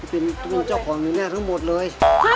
เป็นลุงเจ้าของแม่แม่ทั้งหมดเลย